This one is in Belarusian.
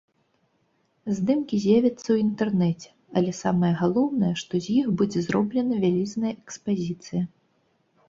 Здымкі з'явяцца ў інтэрнэце, але самае галоўнае, што з іх будзе зробленая вялізная экспазіцыя.